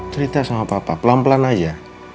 cerita sama papa pelan pelan aja